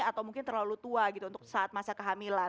atau mungkin terlalu tua gitu untuk saat masa kehamilan